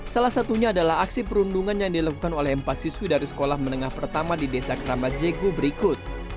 salah satunya adalah aksi perundungan yang dilakukan oleh empat siswi dari sekolah menengah pertama di desa keramat jego berikut